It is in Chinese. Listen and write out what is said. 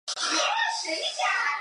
该报此后又有了较大发展。